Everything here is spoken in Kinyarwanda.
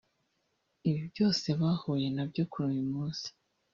Ibi byose bahuye nabyo kuri uyu munsi